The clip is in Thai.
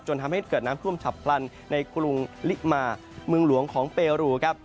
ทำให้เกิดน้ำท่วมฉับพลันในกรุงลิมาเมืองหลวงของเปรูครับ